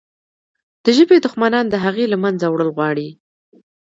د ژبې دښمنان د هغې له منځه وړل غواړي.